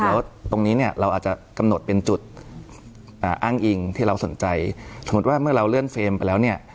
แล้วตรงนี้เนี่ยเราอาจจะกำหนดเป็นจุดอ้างอิงที่เราสนใจสมมุติว่าเมื่อเราเลื่อนเฟรมไปแล้วเนี่ย